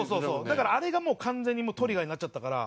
だからあれが完全にもうトリガーになっちゃったから。